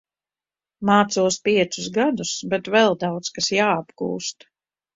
Mācos piecus gadus, bet vēl daudz kas jāapgūst.